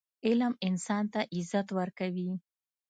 علم انسان ته عزت ورکوي.